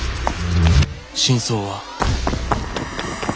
「真相は」。